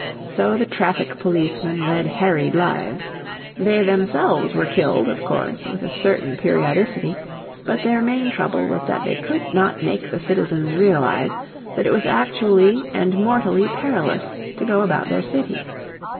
So the traffic policemen led harried lives; they themselves were killed, of course, with a certain periodicity, but their main trouble was that they could not make the citizens realize that it was actually and mortally perilous to go about their city.